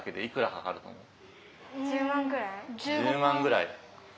１０万ぐらい？